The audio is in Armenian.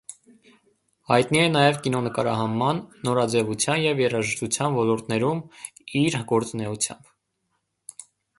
Հայտնի է նաև կինոնկարահանման, նորաձևության և երաժշտության ոլորտներում իր գործունեությամբ։